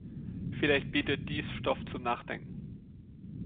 Vielleicht bietet dies Stoff zum Nachdenken.